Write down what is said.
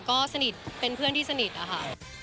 ก็สนิทเป็นเพื่อนที่สนิทนะคะ